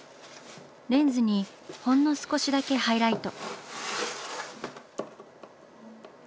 レンズにほんの少しだけハイライト。